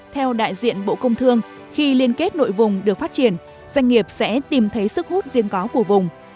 theo đại diện bộ công thương khi liên kết nội vùng được phát triển doanh nghiệp sẽ tìm thấy sức hút riêng có của vùng